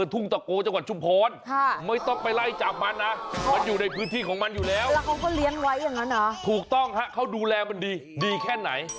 ถูกต้องฮะเขาดูแลมันดีดีแค่ไหน